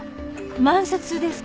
万札ですか？